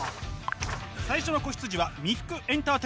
最初の子羊は三福エンターテイメントさん！